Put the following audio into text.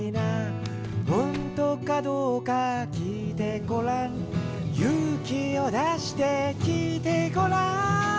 「ほんとかどうか聞いてごらん」「勇気を出して聞いてごらん」